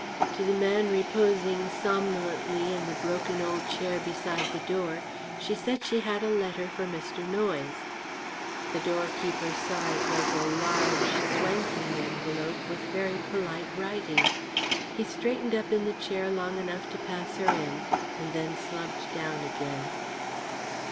To the man reposing somnolently in the broken old chair beside the door she said she had a letter for Mr. Noyes. The doorkeeper saw it was a large, swanking envelope with very polite writing. He straightened up in the chair long enough to pass her in, and then slumped down again.